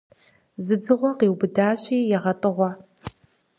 Зы дзыгъуэ къиубыдащи, егъэтӀыгъуэ.